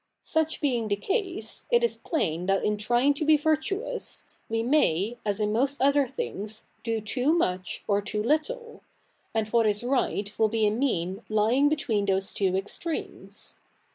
Such being the case, it is plain that in trying to be virtuous, ive may, as in most other things, do too much, or too little ; a)id what is right 7vill be a mean lying betivee?i these two extremes.